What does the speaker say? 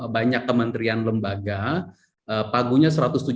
banyak kementerian lembaga pagunya